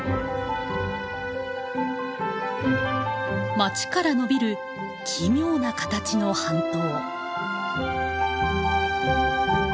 街からのびる奇妙な形の半島。